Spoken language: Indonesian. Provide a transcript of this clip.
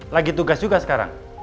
lagi tugas juga sekarang